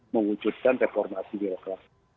mengwujudkan reformasi birokrasi